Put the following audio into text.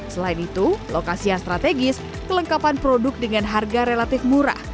selain itu lokasi yang strategis kelengkapan produk dengan harga relatif murah